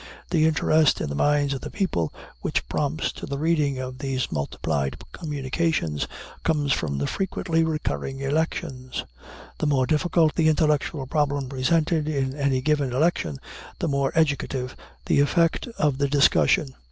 The interest in the minds of the people which prompts to the reading of these multiplied communications comes from the frequently recurring elections. The more difficult the intellectual problem presented in any given election, the more educative the effect of the discussion.